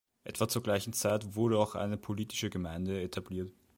Etwa zur gleichen Zeit wurde auch eine politische Gemeinde etabliert.